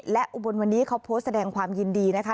และอุบลวันนี้เขาโพสต์แสดงความยินดีนะคะ